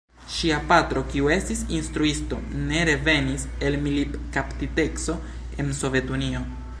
Ŝia patro, kiu estis instruisto, ne revenis el militkaptiteco en Sovetunio.